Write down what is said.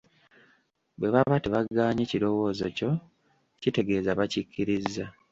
Bwe baba tebagaanye kirowoozo kyo, kitegeeza bakikkirizza.